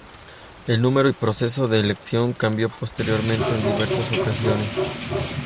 El número y proceso de elección cambió posteriormente en diversas ocasiones.